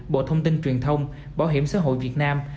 bộ thông tin truyền thông bảo hiểm xã hội việt nam